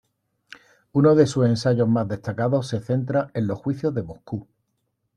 Uno de sus ensayos más destacados se centra en los juicios de Moscú.